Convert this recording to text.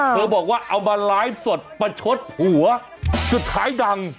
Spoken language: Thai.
บอกว่าเอามาไลฟ์สดประชดผัวสุดท้ายดัง